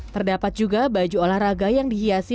terdapat juga baju olahraga yang dihiasi